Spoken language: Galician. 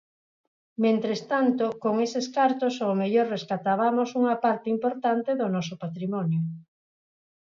Mentres tanto, con eses cartos ao mellor rescatabamos unha parte importante do noso patrimonio.